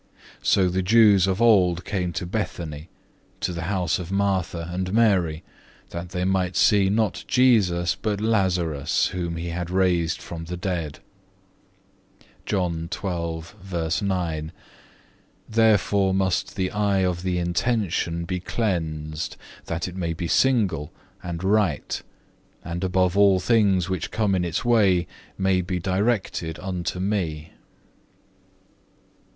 So the Jews of old came to Bethany, to the house of Martha and Mary, that they might see not Jesus, but Lazarus, whom he had raised from the dead.(1) Therefore must the eye of the intention be cleansed, that it may be single and right, and above all things which come in its way, may be directed unto Me."